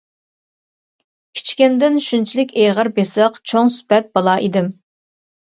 كىچىكىمدىن شۇنچىلىك ئېغىر-بېسىق، چوڭ سۈپەت بالا ئىدىم.